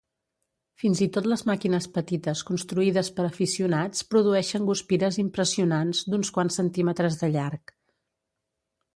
Fins i tot les màquines petites construïdes per aficionats produeixen guspires impressionants d'uns quants centímetres de llarg.